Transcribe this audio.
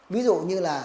ví dụ như